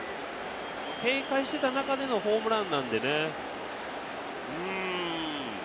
警戒していた中でのホームランなので、うん。